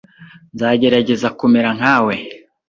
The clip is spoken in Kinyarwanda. Nzagerageza kumera nkawe.